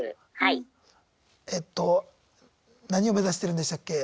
えっと何を目指してるんでしたっけ？